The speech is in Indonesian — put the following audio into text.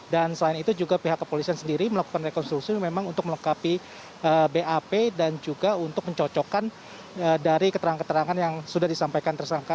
dan selain itu juga pihak kepolisian sendiri melakukan rekonstruksi memang untuk melengkapi bap dan juga untuk mencocokkan dari keterangan keterangan yang sudah disampaikan tersangka